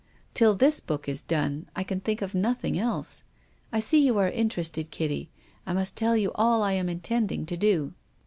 Till this book is done, I can think of nothing else. I see you are interested, Kitty. I must tell you all I am intending to do."